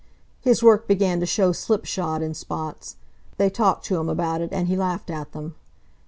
His work began to show slipshod in spots. They talked to him about it and he laughed at them.